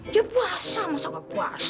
ya puasa masuklah puasa